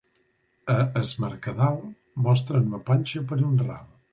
A es Mercadal, mostren la panxa per un ral.